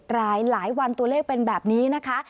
หลายวันตัวเลขเป็นแบบนี้นะคะ